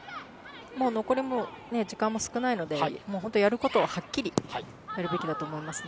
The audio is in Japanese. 残り時間も少ないのでやることははっきりやるべきです。